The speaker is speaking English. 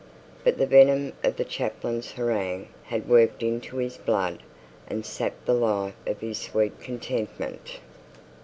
But the venom of the chaplain's harangue had worked into his blood, and had sapped the life of his sweet contentment.